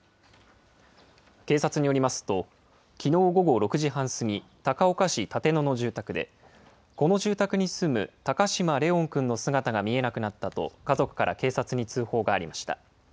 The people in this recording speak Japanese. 警察によりますと、きのう午後６時半過ぎ、高岡市立野の住宅で、この住宅に住む高嶋怜音くんの姿が見えなくなったと家族から警察に通報がありました。